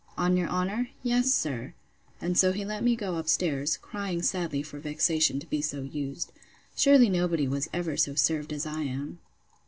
—On your honour? Yes, sir. And so he let me go up stairs, crying sadly for vexation to be so used. Sure nobody was ever so served as I am!